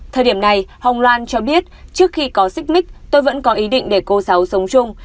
thời điểm này ông loan cho biết trước khi có xích mít tôi vẫn có ý định để cô cháu sống chung